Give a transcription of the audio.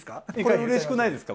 うれしくないですか？